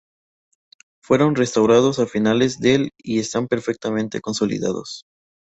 Fueron restaurados a finales del y están perfectamente consolidados.